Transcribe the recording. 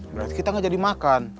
berarti kita nggak jadi makan